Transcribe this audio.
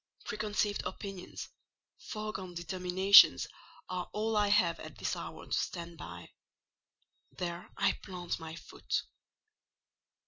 Preconceived opinions, foregone determinations, are all I have at this hour to stand by: there I plant my foot."